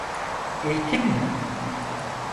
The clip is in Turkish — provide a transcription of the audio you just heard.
Eğitim mi?